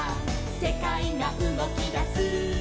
「せかいがうごきだす」「」